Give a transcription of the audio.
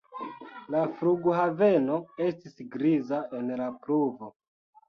La flughaveno estis griza en la pluvo.